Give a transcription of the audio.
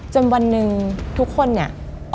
วันหนึ่งทุกคนเนี่ย